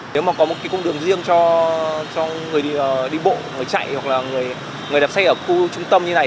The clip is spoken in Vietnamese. nếu mà có một cái cung đường riêng cho người đi bộ người chạy hoặc là người đạp xe ở khu trung tâm như này